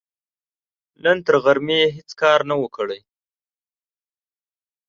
نن تر غرمې يې هيڅ کار نه و، کړی.